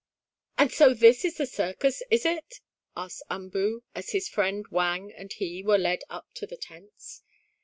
"And so this is the circus, is it?" asked Umboo, as his friend, Wang, and he were led up to the tents.